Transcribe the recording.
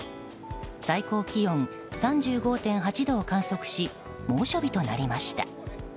最高気温３５．８度を観測し猛暑日となりました。